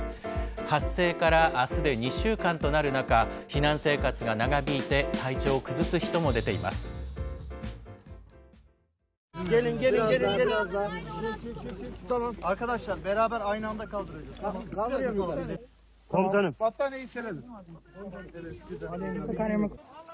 発生からあすで２週間となる中、避難生活が長引いて、体調を崩す人も出ています。